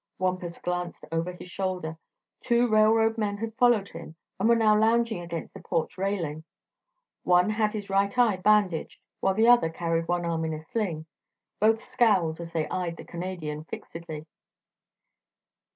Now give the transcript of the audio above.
Wampus glanced over his shoulder. Two railroad men had followed him and were now lounging against the porch railing. One had his right eye bandaged while the other carried one arm in a sling. Both scowled as they eyed the Canadian fixedly.